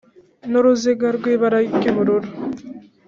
N uruziga rw ibara ry ubururu